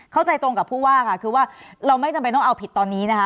เข้าใจตรงกับผู้ว่าค่ะคือว่าเราไม่จำเป็นต้องเอาผิดตอนนี้นะคะ